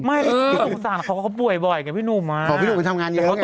ไม่พี่หนุ่มสามารถเขาก็ป่วยบ่อยกับพี่หนุ่มอ่ะอ๋อพี่หนุ่มมันทำงานเยอะแล้วกันไง